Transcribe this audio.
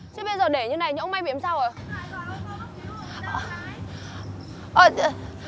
chứ bây giờ để như này nhưng ông may bị làm sao rồi